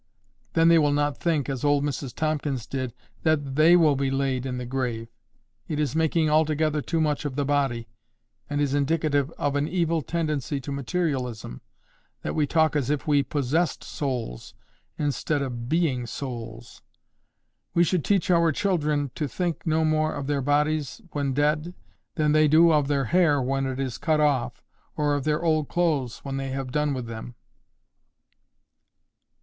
Then they will not think, as old Mrs Tomkins did, that THEY will be laid in the grave. It is making altogether too much of the body, and is indicative of an evil tendency to materialism, that we talk as if we POSSESSED souls, instead of BEING souls. We should teach our children to think no more of their bodies when dead than they do of their hair when it is cut off, or of their old clothes when they have done with them.